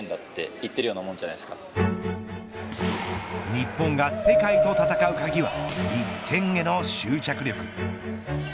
日本が世界と戦う鍵は１点への執着力。